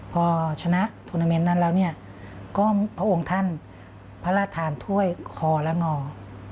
พอชนะทูนาเมนต์นั้นแล้วเนี่ยก็พระองค์ท่านพระราชทานถ้วยคอและงอ